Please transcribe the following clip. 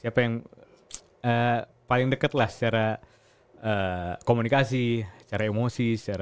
siapa yang paling dekat lah secara komunikasi secara emosi secara